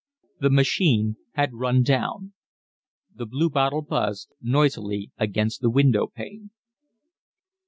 The machine had run down. The bluebottle buzzed, buzzed noisily against the windowpane.